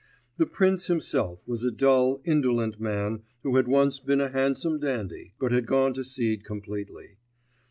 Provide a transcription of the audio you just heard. The prince himself was a dull, indolent man, who had once been a handsome dandy, but had gone to seed completely.